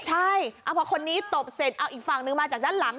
ใช่พอคนนี้ตบเสร็จเอาอีกฝั่งนึงมาจากด้านหลัง